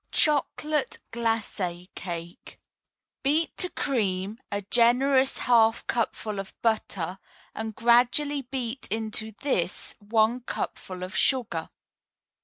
CHOCOLATE GLACÉ CAKE Beat to a cream a generous half cupful of butter, and gradually beat into this one cupful of sugar.